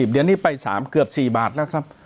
เดี๋ยวนี้ไป๓เกือบ๔บาทแล้วครับ